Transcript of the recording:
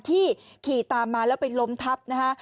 ที่ขี่ตามมาแล้วไปล้มทับนะฮะ